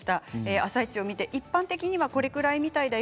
「あさイチ」を見て一般的にはこれくらいだよ